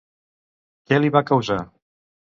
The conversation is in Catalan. Què li va causar?